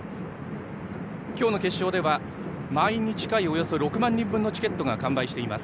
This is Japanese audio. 今日の決勝では満員に近いおよそ６万人分のチケットが完売しています。